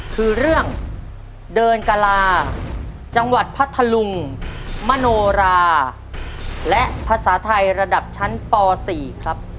คือเรื่องเดินกลาจังหวัดพัทธลุงมโนราและภาษาไทยระดับชั้นป๔ครับ